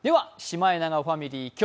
シマエナガファミリー